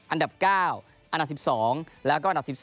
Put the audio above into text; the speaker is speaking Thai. อันดับ๙อันดับ๑๒แล้วก็อันดับ๑๒